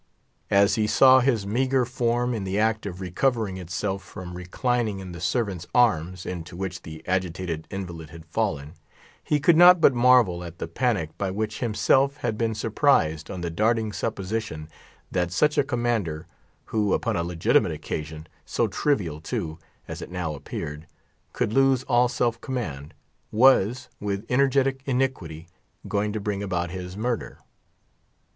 As he saw his meagre form in the act of recovering itself from reclining in the servant's arms, into which the agitated invalid had fallen, he could not but marvel at the panic by which himself had been surprised, on the darting supposition that such a commander, who, upon a legitimate occasion, so trivial, too, as it now appeared, could lose all self command, was, with energetic iniquity, going to bring about his murder.